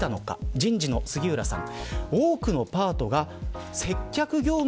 人事の杉浦さん。